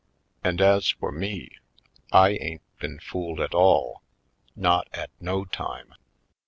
And as for me, I ain't been fooled at all, not at no time.